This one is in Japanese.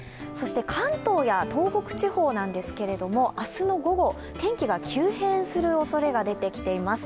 関東や東北地地方ですけれども、明日の午後、天気が急変するおそれが出てきています。